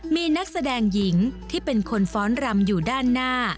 มีนักแสดงหญิงที่เป็นคนฟ้อนรำอยู่ด้านหน้า